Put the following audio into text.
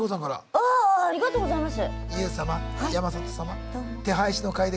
ありがとうございます！